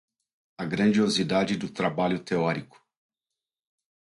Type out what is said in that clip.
a grandiosidade do trabalho teórico